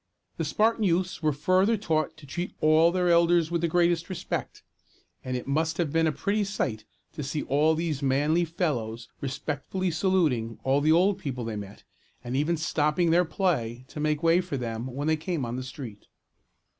The Spartan youths were further taught to treat all their elders with the greatest respect; and it must have been a pretty sight to see all these manly fellows respectfully saluting all the old people they met, and even stopping their play to make way for them when they came on the street.